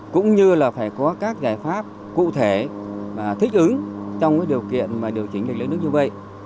cũng như là phải có các giải pháp cụ thể và thích ứng trong điều kiện điều chỉnh lấy nước như vậy